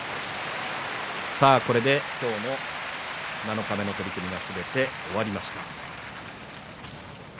これで七日目の取組はすべて終わりました。